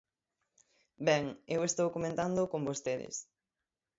Ben, eu estou comentándoo con vostedes.